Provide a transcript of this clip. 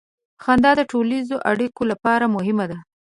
• خندا د ټولنیزو اړیکو لپاره مهمه ده.